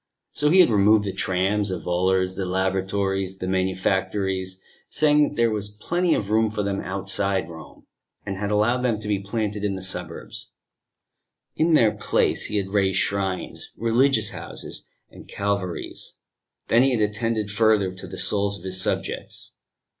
So he had removed the trams, the volors, the laboratories, the manufactories saying that there was plenty of room for them outside Rome and had allowed them to be planted in the suburbs: in their place he had raised shrines, religious houses and Calvaries. Then he had attended further to the souls of his subjects.